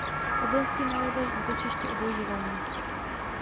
V oblasti nalézají útočiště obojživelníci.